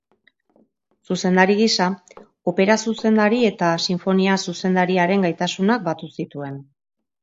Zuzendari gisa, opera-zuzendari eta sinfonia-zuzendariaren gaitasunak batu zituen.